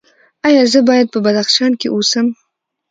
ایا زه باید په بدخشان کې اوسم؟